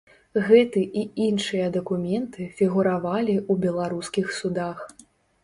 Гэты і іншыя дакументы фігуравалі ў беларускіх судах.